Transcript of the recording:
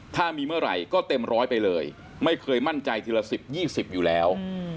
ถ้ามีเมื่อไหร่ก็เต็มร้อยไปเลยไม่เคยมั่นใจทีละ๑๐๒๐อยู่แล้ว